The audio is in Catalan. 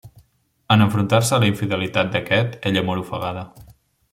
En enfrontar-se a la infidelitat d'aquest, ella mor ofegada.